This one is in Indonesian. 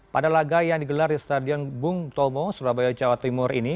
pada laga yang digelar di stadion bung tomo surabaya jawa timur ini